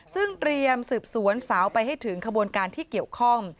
ซึ่งเตรียมสืบสวนสาวไปให้ถึงขบวนการที่เกี่ยวข้อง